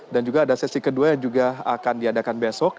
juga ada sesi kedua yang juga akan diadakan besok